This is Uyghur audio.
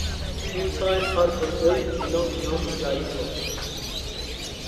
ئىنتايىن تار بىر ئۆي مېنىڭ يېڭى دۇنيايىم بولدى.